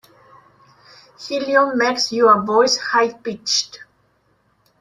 Helium makes your voice high pitched.